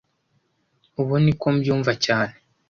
Uku niko mbyumva cyane